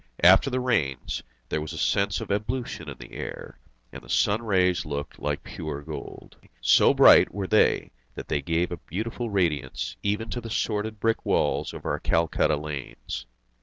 After the rains, there was a sense of ablution in the air, and the sun rays looked like pure gold. So bright were they that they gave a beautiful radiance even to the sordid brick walls of our Calcutta lanes.